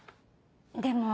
でも。